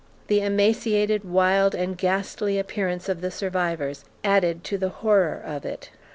The emaciated, wild, and ghastly appearance of the survivors added to the horror of it.